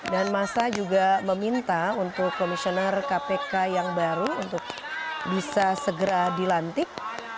dan masa juga meminta untuk komisioner kpk yang baru untuk bisa segera dilantik